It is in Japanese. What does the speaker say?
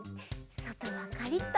そとはカリッと。